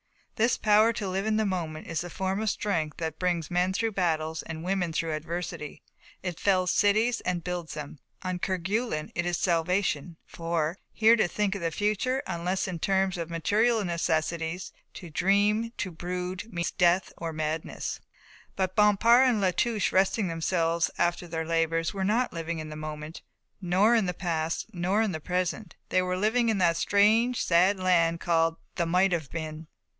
This power to live in the moment is the form of strength that brings men through battles and women through adversity. It fells cities and builds them. On Kerguelen it is salvation. For, here to think of the future, unless in terms of material necessities, to dream, to brood, means death or madness. But Bompard and La Touche, resting themselves after their labours, were not living in the moment nor in the past nor in the present, they were living in that strange sad land called the Might Have Been.